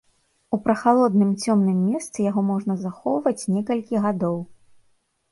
У прахалодным цёмным месцы яго можна захоўваць некалькі гадоў.